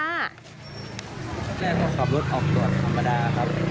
แม่ก็ขับรถออกตรวจธรรมดาครับ